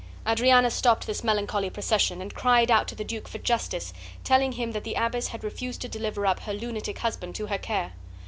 Adriana stopped this melancholy procession, and cried out to the duke for justice, telling him that the abbess had refused to deliver up her lunatic husband to her care.